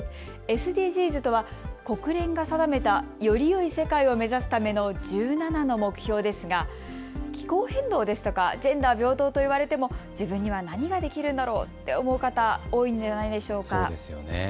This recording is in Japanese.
ＳＤＧｓとは国連が定めた、よりよい世界を目指すための１７の目標ですが気候変動ですとかジェンダー平等と言われても自分には何ができるんだろうって思う方多いんではないでしょうか。